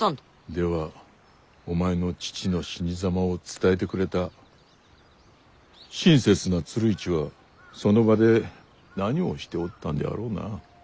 ではお前の父の死にざまを伝えてくれた親切な鶴市はその場で何をしておったんであろうな？